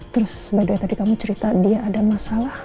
terus by the way tadi kamu cerita dia ada masalah